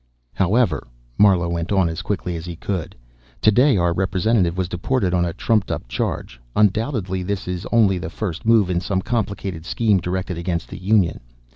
"However," Marlowe went on as quickly as he could, "today, our representative was deported on a trumped up charge. Undoubtedly, this is only the first move in some complicated scheme directed against the Union.